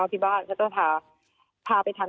พ่อแม่ก็คุยกัน